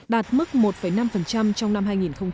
đạt mức một năm trong năm hai nghìn hai mươi